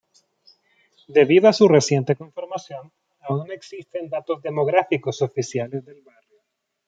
Debido a su reciente conformación, aún no existen datos demográficos oficiales del barrio.